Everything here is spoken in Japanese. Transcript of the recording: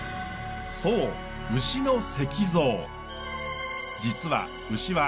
そう牛の石像。